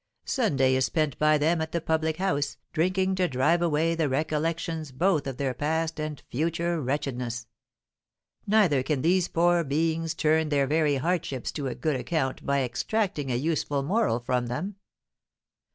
Sunday is spent by them at the public house, drinking to drive away the recollections both of their past and future wretchedness. Neither can these poor beings turn their very hardships to a good account by extracting a useful moral from them.